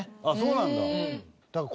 あっそうなんだ。